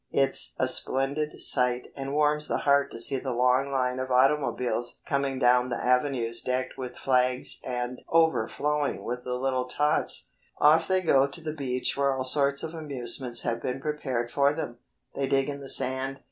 It's a splendid sight and warms the heart to see the long line of automobiles coming down the avenues decked with flags and overflowing with the little tots. Off they go to the beach where all sorts of amusements have been prepared for them. They dig in the sand.